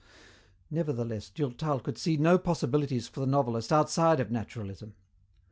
Nevertheless Durtal could see no possibilities for the novelist outside of naturalism.